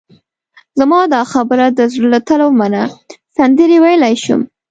زما دا خبره د زړه له تله ومنه، سندرې ویلای شم.